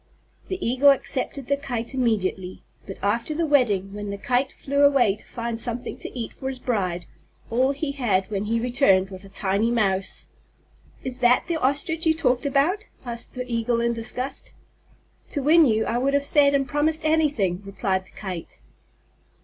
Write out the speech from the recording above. The Eagle accepted the Kite immediately. But after the wedding, when the Kite flew away to find something to eat for his bride, all he had when he returned, was a tiny Mouse. "Is that the Ostrich you talked about?" said the Eagle in disgust. "To win you I would have said and promised anything," replied the Kite.